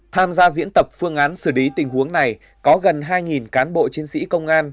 tham gia diễn tập phương án xử lý tình huống này có gần hai cán bộ chiến sĩ công an